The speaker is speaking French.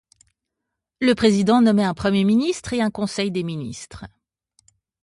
Le Président nommait un Premier Ministre et un Conseil des Ministres.